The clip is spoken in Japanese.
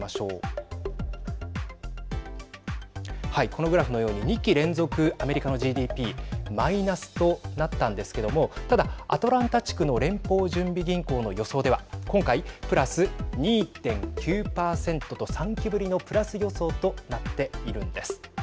このグラフのように２期連続アメリカのＧＤＰマイナスとなったんですけどもただ、アトランタ地区の連邦準備銀行の予想では今回プラス２．９％と３期ぶりのプラス予想となっているんです。